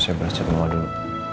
saya bercet mama dulu